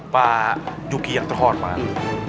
pak yuki yang terhormat